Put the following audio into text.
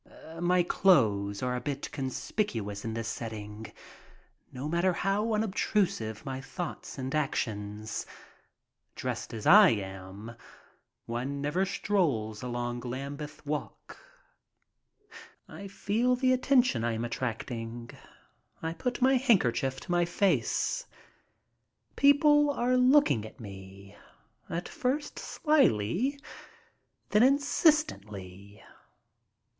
My clothes are a bit conspicuous in this setting, no matter how unobtrusive my thoughts and actions. Dressed as I am, one never strolls along Lambeth Walk. I feel the attention I am attracting. I put my handker chief to my face. People are looking at me, at first slyly, then insistently.